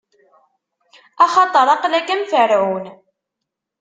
Axaṭer aql-ak am Ferɛun.